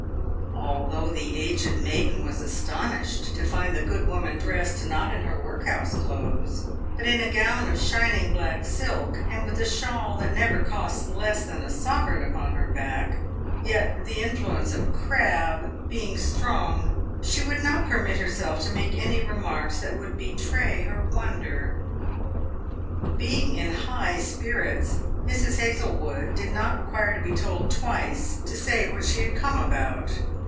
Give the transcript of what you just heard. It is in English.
Although the aged maiden was astonished to find the good woman dressed, not in her workhouse clothes, but in a gown of shining black silk, and with a shawl that never cost less than a sove reign upon her back, yet the influence of crab being strong, she would not permit herself to make any remarks that would betray her wonder. 272 PAVED WITH GOLD. Being in high spirits, Mrs. Hazlewood did not require to be told twice to say what she had come about.